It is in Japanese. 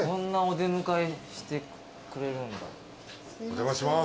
お邪魔します。